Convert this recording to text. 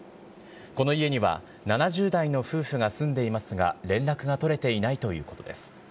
この家には７０代の夫婦が住んでいますが、連絡が取れていないということです。